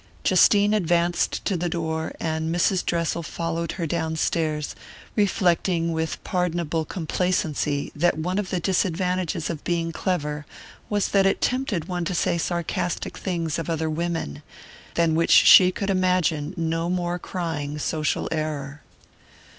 Justine advanced to the door, and Mrs. Dressel followed her downstairs, reflecting with pardonable complacency that one of the disadvantages of being clever was that it tempted one to say sarcastic things of other women than which she could imagine no more crying social error.